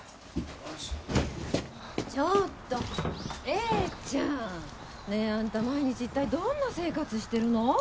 ちょっと英ちゃんアンタ毎日一体どんな生活してるの？